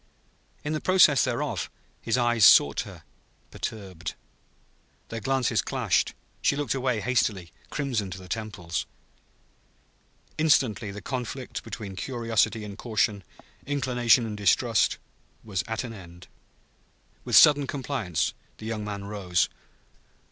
In the process thereof, his eyes sought her, perturbed. Their glances clashed. She looked away hastily, crimson to her temples. Instantly the conflict between curiosity and caution, inclination and distrust, was at an end. With sudden compliance, the young man rose.